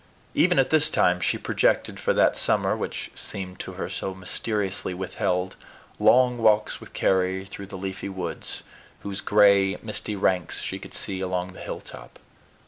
Even at this time she projected for that summer, which seemed to her so mysteriously withheld, long walks with Carry through the leafy woods, whose gray, misty ranks she could see along the hilltop.